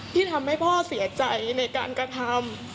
ที่ทำให้พ่อเสียใจในการกระทำ